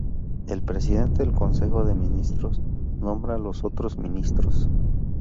El Presidente del Consejo de Ministros nombra a los otros ministros.